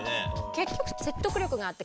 結局。